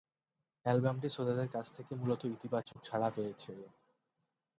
অ্যালবামটি শ্রোতাদের কাছ থেকে মূলত ইতিবাচক সাড়া পেয়েছে।